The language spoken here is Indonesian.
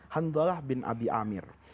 hanzalah bin abi amir